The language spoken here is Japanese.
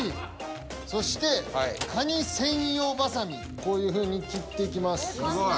そしてこういうふうに切っていきます。